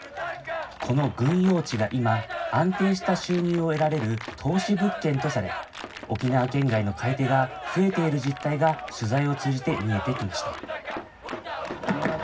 この軍用地が今、安定した収入を得られる投資物件とされ、沖縄県外の買い手が増えている実態が、取材を通じて見えてきました。